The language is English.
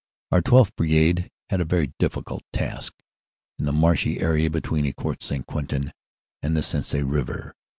Our 12th. Brigade had a very difficult task in the marshy area between Ecourt St. Quentin and the Sensee River.